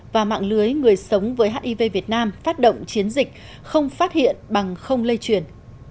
và mạng lưới người sống với hiv việt nam phát động chiến dịch không phát hiện bằng không lây truyền